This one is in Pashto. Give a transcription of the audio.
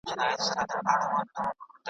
څوک له لویه سره ټیټ وي زېږېدلي .